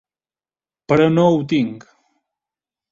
Però no ho tinc.